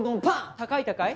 高い高い。